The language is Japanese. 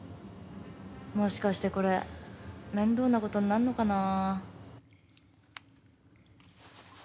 もしかしてこれ面倒なことになんのかな。